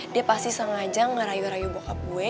dia pasti sengaja ngerayu rayu bahub gue